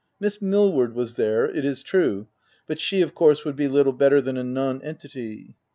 Miss Millward was there, it is true, but she, of course, would be little better than a non entity.